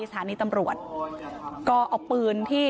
เชิงชู้สาวกับผอโรงเรียนคนนี้